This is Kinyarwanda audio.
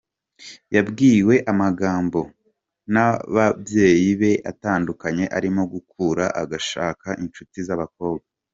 Yabwiwe amagambo n’ababyeyi be atandukanye arimo gukura agashaka inshuti z’abakobwa.